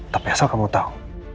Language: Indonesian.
tapi asal kamu tau